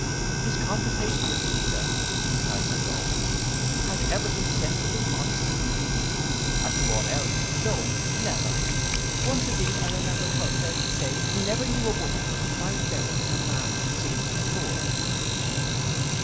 '—'His conversation with me, sir,' replied my daughter, 'has ever been sensible, modest, and pleasing. As to aught else, no, never. Once, indeed, I remember to have heard him say he never knew a woman who could find merit in a man that seemed poor.